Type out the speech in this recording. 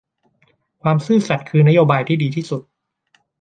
ความซื่อสัตย์คือนโบายที่ดีที่สุด